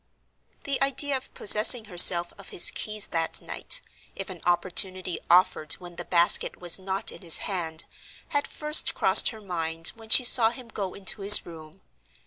The idea of possessing herself of his keys that night (if an opportunity offered when the basket was not in his hand) had first crossed her mind when she saw him go into his room.